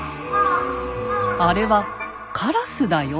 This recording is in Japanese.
「あれはカラスだよ」。